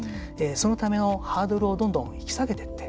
そのためのハードルをどんどん引き下げてって。